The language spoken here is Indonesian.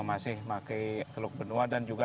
masih memakai teluk benua dan juga